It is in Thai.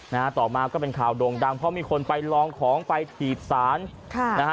นะฮะต่อมาก็เป็นข่าวโด่งดังเพราะมีคนไปลองของไปถีบสารค่ะนะฮะ